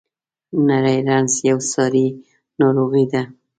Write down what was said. نری رنځ یوه ساري ناروغي ده.